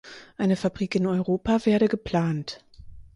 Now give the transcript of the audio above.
Eine Fabrik in Europa werde geplant.